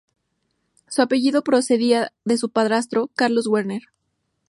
Su apellido procedía de su padrastro, Carlos Werner.